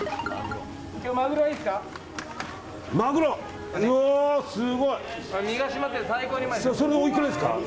マグロ、いいですか？